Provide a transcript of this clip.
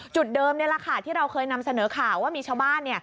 จุดเดิมนี่แหละค่ะที่เราเคยนำเสนอข่าวว่ามีชาวบ้าน